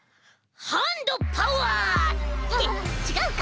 ハンドパワー！ってちがうか。